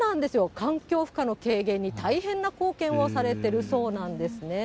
環境負荷の軽減に大変な貢献をされてるそうなんですね。